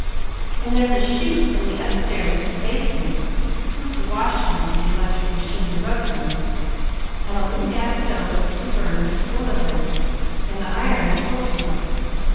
And there's a chute from the upstairs to the basement, to scoot the wash down to the electric machine to rub them, and a little gas stove with two burners to boil them, and the iron I told you of.